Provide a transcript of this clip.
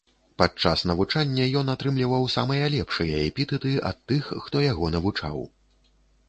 Падчас навучання ён атрымліваў самыя лепшыя эпітэты ад тых, хто яго навучаў.